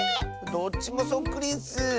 どっちもそっくりッス！